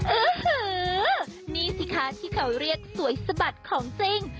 อื้อหือนี่สิคะที่เขาเรียกสวยสะบัดของจริง